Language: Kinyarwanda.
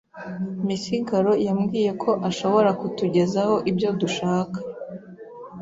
Misigaro yambwiye ko ashobora kutugezaho ibyo dushaka.